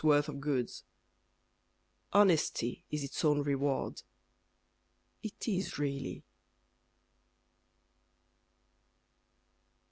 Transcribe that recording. worth of goods. Honesty is its own reward It is really.